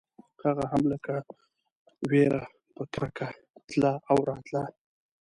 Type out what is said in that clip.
هغه هم لکه وېره په کرکه تله او راتله.